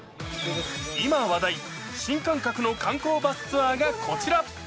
今話題、新感覚の観光バスツアーがこちら。